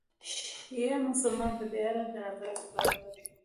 شیعه مسلمانان په دې اړه د نظر اختلاف لري.